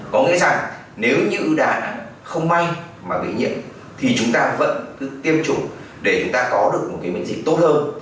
có nghĩa rằng nếu như đã không may mà bị nhiễm thì chúng ta vẫn cứ tiêm chủng để chúng ta có được một cái miễn dịch tốt hơn